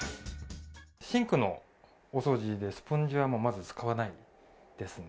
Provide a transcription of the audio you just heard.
シンクのお掃除で、スポンジはまず使わないですね。